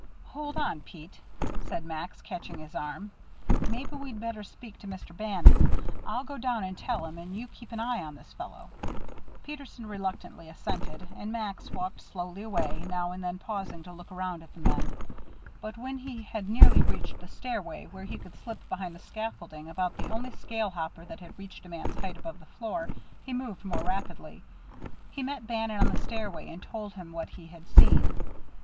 "Hold on, Pete," said Max, catching his arm. "Maybe we'd better speak to Mr. Bannon. I'll go down and tell him, and you keep an eye on this fellow." Peterson reluctantly assented, and Max walked slowly away, now and then pausing to look around at the men. But when he had nearly reached the stairway, where he could slip behind the scaffolding about the only scale hopper that had reached a man's height above the floor, he moved more rapidly. He met Bannon on the stairway, and told him what he had seen.